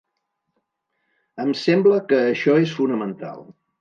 Em sembla que això és fonamental.